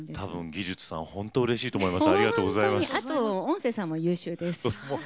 照明さん本当にうれしいと思います。